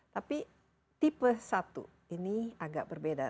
tapi tipe satu ini agak berbeda